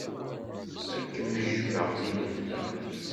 Ad kem-jjmeɣ i lebda.